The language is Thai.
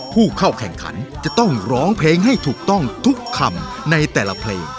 ผู้เข้าแข่งขันจะต้องร้องเพลงให้ถูกต้องทุกคำในแต่ละเพลง